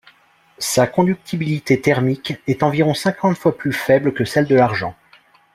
Sa conductibilité thermique est environ cinquante fois plus faible que celle de l'argent.